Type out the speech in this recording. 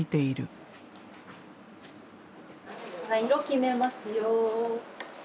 色決めますよ。